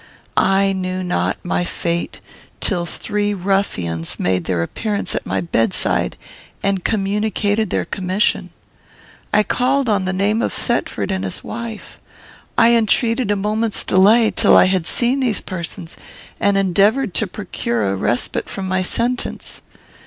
I knew not my fate, till three ruffians made their appearance at my bedside, and communicated their commission. "I called on the name of Thetford and his wife. I entreated a moment's delay, till I had seen these persons, and endeavoured to procure a respite from my sentence.